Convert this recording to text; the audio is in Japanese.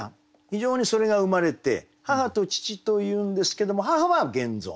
非常にそれが生まれて「母」と「父」というんですけども母は現存。